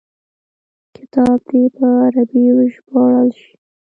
کتاب دي په عربي وژباړل شي.